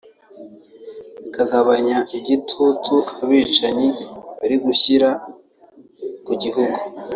bikagabanya igitutu abicanyi bari gushyira ku gihugu